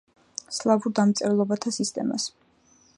სლავურ დამწერლობათა სისტემას.